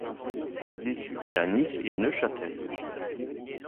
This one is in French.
Il étudie à Nice et Neuchâtel.